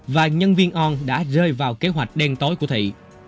và nhân viên on đã rơi vào kế hoạch đen tối của thị